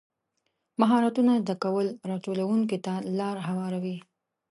مهارتونه زده کول راتلونکي ته لار هواروي.